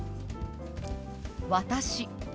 「私」。